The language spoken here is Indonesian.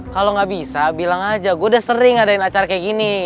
kalau nggak bisa bilang aja gue udah sering adain acara kayak gini